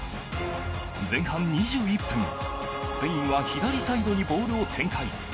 前半２１分、スペインは左サイドにボールを展開。